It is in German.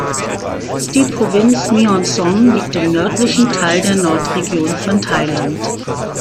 Die Provinz Mae Hong Son liegt im nördlichen Teil der Nordregion von Thailand.